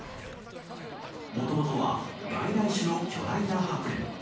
もともとは外来種の巨大なハクレン。